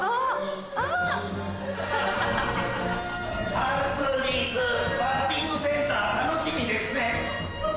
Ｒ２−Ｄ２バッティングセンター楽しみですね。